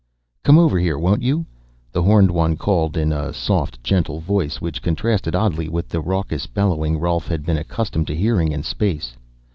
"Come over here, won't you?" the horned one called, in a soft, gentle voice which contrasted oddly with the raucous bellowing Rolf had been accustomed to hearing in space.